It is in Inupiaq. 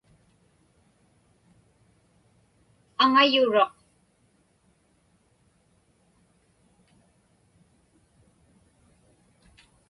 Aŋayuruq.